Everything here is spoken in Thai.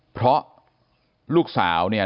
เพราะลูกสาวเนี่ย